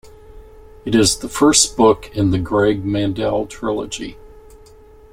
It is the first book in the Greg Mandel trilogy.